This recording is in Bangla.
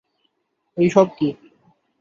এইসব কী!